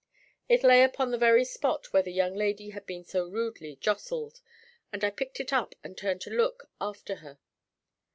It lay upon the very spot where the young lady had been so rudely jostled, and I picked it up and turned to look after her.